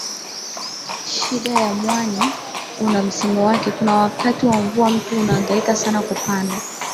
Shida ya mwani una msimu wake kuna wakati wa mvua mtu unahangaika sana kupanda